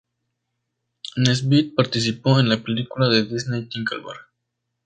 Nesbitt participó en la película de Disney Tinker Bell.